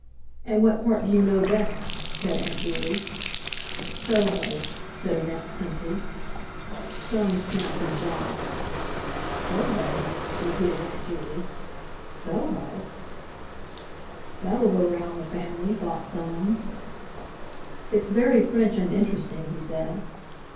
"And what part do you know best?" said Aunt Juley. "Soho," said Annette simply. Soames snapped his jaw. "Soho?" repeated Aunt Juley; "Soho?" "That'll go round the family," thought Soames. "It's very French, and interesting," he said.